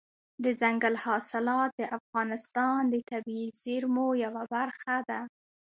دځنګل حاصلات د افغانستان د طبیعي زیرمو یوه برخه ده.